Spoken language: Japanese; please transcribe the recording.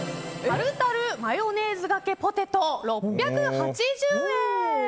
タルタルマヨネーズがけポテト６８０円。